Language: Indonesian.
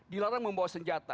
dilarang membawa senjata